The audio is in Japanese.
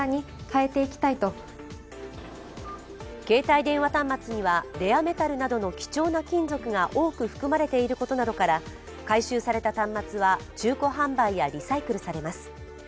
携帯電話端末にはレアメタルなどの貴重な金属が多く含まれていることなどから、回収された端末は中古販売やリサイクルされます。